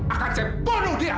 akan saya bunuh dia